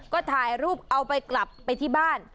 ก็ถ่ายรูปเอาไปกลับไปที่บ้าน